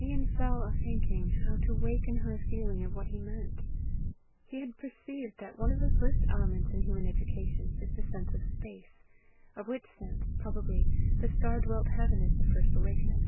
Ian fell a thinking how to wake in her a feeling of what he meant. He had perceived that one of the first elements in human education is the sense of space of which sense, probably, the star dwelt heaven is the first awakener.